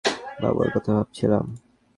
বাবুর কথা ভাবছিলাম।